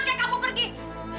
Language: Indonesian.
pak tante itu